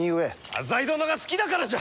浅井殿が好きだからじゃ！